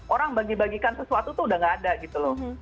orang bagi bagikan sesuatu tuh udah gak ada gitu loh